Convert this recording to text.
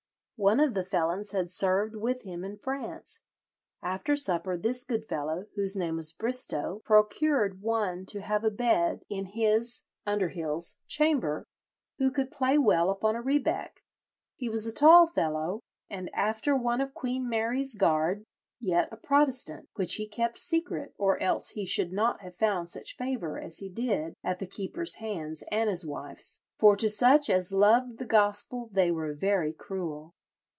One of the felons had served with him in France. After supper this good fellow, whose name was Bristow, procured one to have a bed in his (Underhill's) chamber who could play well upon a rebeck. He was a tall fellow, and after one of Queen Mary's guard, yet a Protestant, which he kept secret, or else he should not have found such favour as he did at the keeper's hands and his wife's, for to such as loved the gospel they were very cruel.